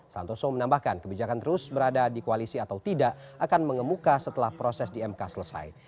santoso menambahkan kebijakan terus berada di koalisi atau tidak akan mengemuka setelah proses di mk selesai